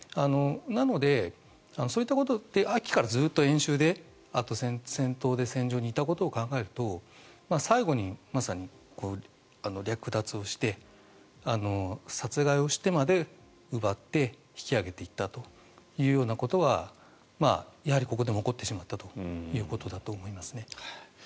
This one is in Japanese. なので、そういったことで秋から演習であとは戦闘で戦場にいたことを考えると最後に、まさに略奪をして殺害をしてまで奪って引き揚げていったというようなことはやはりここでも起こってしまったということだと思いますね。